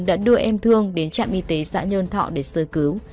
đã đưa em thương đến trạm y tế xã nhơn thọ để sơ cứu